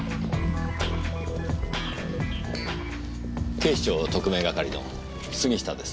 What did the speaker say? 警視庁特命係の杉下です。